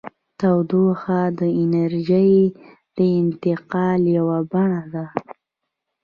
تودوخه د انرژۍ د انتقال یوه بڼه ده.